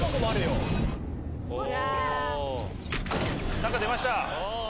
なんか出ました。